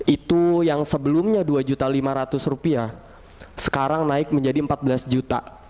itu yang sebelumnya rp dua lima ratus sekarang naik menjadi rp empat belas juta